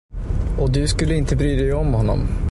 Och du skulle inte bry dig om honom.